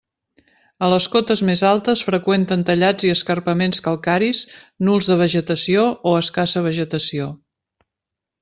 A les cotes més altes freqüenten tallats i escarpaments calcaris nuls de vegetació o escassa vegetació.